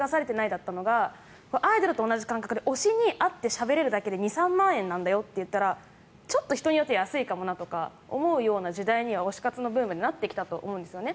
だったのがアイドルと同じ感覚で推しに会ってしゃべれるだけで２３万円なんだよと言ったらちょっと人によっては安いかもなと思うような時代には推し活ブームもあってなってきたと思うんですね。